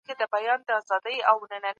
که تضادونه سم مدیریت سي ټولنه وده کوي.